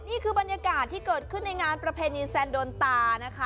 นี่คือบรรยากาศที่เกิดขึ้นในงานประเพณีแซนโดนตานะคะ